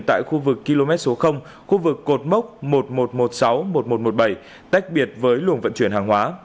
tại khu vực km số khu vực cột mốc một nghìn một trăm một mươi sáu một nghìn một trăm một mươi bảy tách biệt với luồng vận chuyển hàng hóa